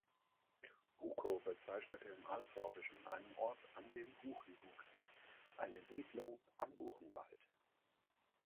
Bukow bezeichnete im Altsorbischen einen Ort, an dem Buchen wuchsen, eine Siedlung am Buchenwald.